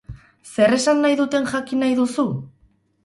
Zer esan nahi duten jakin nahi duzu?